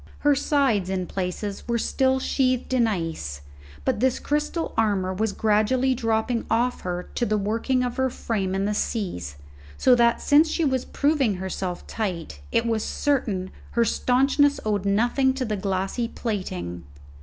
Her sides in places were still sheathed in ice, but this crystal armour was gradually dropping off her to the working of her frame in the seas, so that, since she was proving herself tight, it was certain her staunchness owed nothing to the glassy plating.